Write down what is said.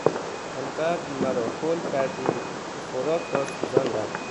آنقدر مرا هول کردی که خوراک را سوزاندم!